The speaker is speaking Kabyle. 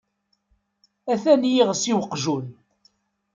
Atan yiɣes i waqjun.